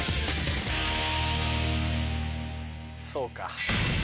そうか。